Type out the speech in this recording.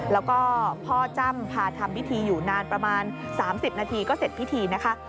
แล้วก็พ่อจ้ำพาทำพิธีอยู่นานประมาณ๓๐นาทีก็เสร็จพิธีนะคะ